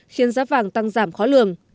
khiến giá vàng tăng giảm khó lường